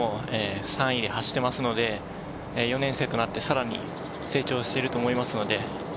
そうですね、去年も３位で走っていますので、４年生となってさらに成長していると思いますので。